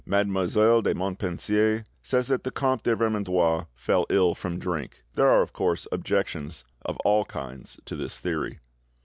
Mademoiselle de Montpensier says that the Comte de Vermandois "fell ill from drink." There are, of course, objections of all kinds to this theory.